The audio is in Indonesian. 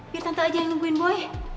biar tante aja yang nungguin gue